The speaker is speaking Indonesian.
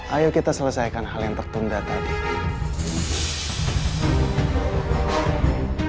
ayo kita selesaikan hal yang tertunda tadi